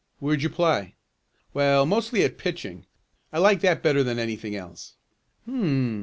"Where'd you play?" "Well, mostly at pitching. I like that better than anything else." "Hum!"